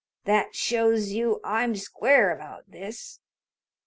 That shows you I'm square about this.